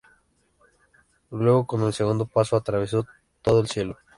Luego con el segundo paso atravesó todo el Cielo.